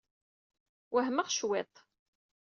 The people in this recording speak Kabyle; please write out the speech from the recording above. Wehmeɣ cwiṭ.